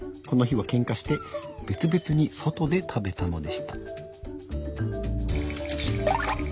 この日はけんかして別々に外で食べたのでした。